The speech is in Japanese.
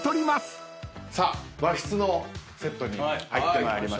さあ和室のセットに入ってまいりました。